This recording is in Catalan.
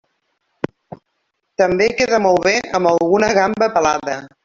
També queda molt bé amb alguna gamba pelada.